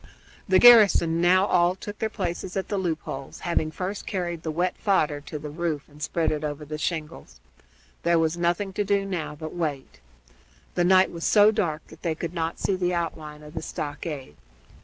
The garrison now all took their places at the loop holes, having first carried the wet fodder to the roof and spread it over the shingles. There was nothing to do now but to wait. The night was so dark that they could not see the outline of the stockade.